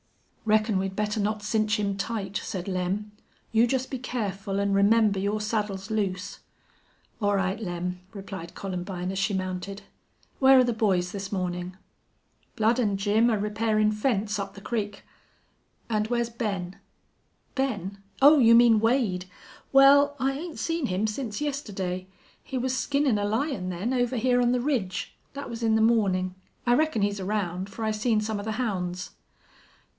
"Reckon we'd better not cinch him tight," said Lem. "You jest be careful an' remember your saddle's loose." "All right, Lem," replied Columbine, as she mounted. "Where are the boys this morning?" "Blud an' Jim air repairin' fence up the crick." "And where's Ben?" "Ben? Oh, you mean Wade. Wal, I 'ain't seen him since yestidday. He was skinnin' a lion then, over hyar on the ridge. Thet was in the mawnin'. I reckon he's around, fer I seen some of the hounds."